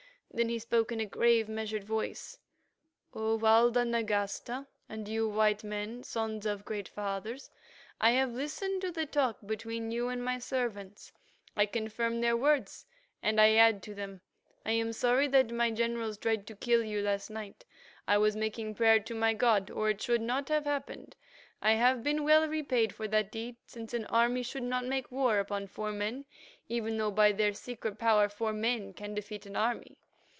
Then he spoke in a grave measured voice: "O Walda Nagasta, and you, white men, sons of great fathers, I have listened to the talk between you and my servants; I confirm their words and I add to them. I am sorry that my generals tried to kill you last night. I was making prayer to my god, or it should not have happened. I have been well repaid for that deed, since an army should not make war upon four men, even though by their secret power four men can defeat an army.